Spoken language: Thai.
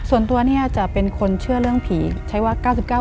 ส่วนตัวเนี่ยจะเป็นคนเชื่อเรื่องผีใช้ว่า๙๙